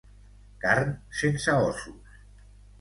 Carn sense ossos.